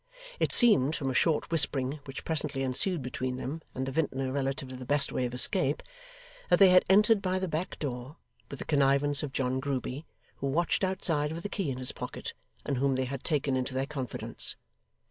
It seemed, from a short whispering which presently ensued between them and the vintner relative to the best way of escape, that they had entered by the back door, with the connivance of John Grueby, who watched outside with the key in his pocket, and whom they had taken into their confidence.